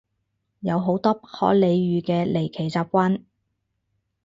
有好多不可理喻嘅離奇習慣